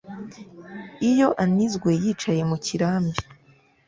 Iyo anizwe yicaye mu kirambi